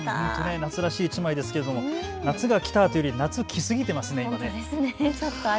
夏らしい１枚ですが夏が来たというより来すぎていますね。